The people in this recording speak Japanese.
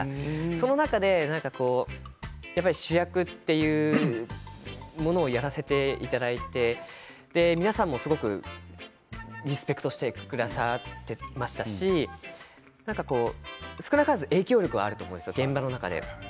その中で主役というものをやらせていただいて皆さんもすごくリスペクトしてくださっていましたし少なからず、影響力はあると思うんです、現場の中で。